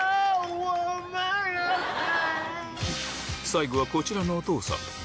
最後はこちらのお父さん。